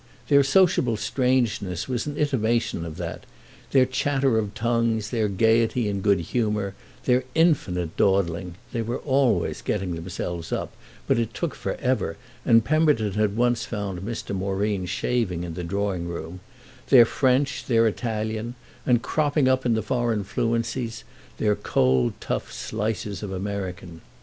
Their sociable strangeness was an intimation of that—their chatter of tongues, their gaiety and good humour, their infinite dawdling (they were always getting themselves up, but it took forever, and Pemberton had once found Mr. Moreen shaving in the drawing room), their French, their Italian and, cropping up in the foreign fluencies, their cold tough slices of American.